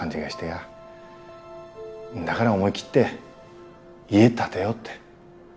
んだがら思い切って家建てようって。